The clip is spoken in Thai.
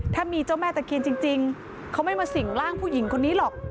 ถ้ามีเจ้าแม่ตะเคียนจริงเขาไม่มาสิ่งร่างผู้หญิงคนนี้หรอก